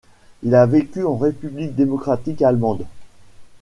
Il a vécu en République démocratique allemande.